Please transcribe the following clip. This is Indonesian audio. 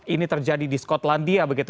ini terjadi di scotland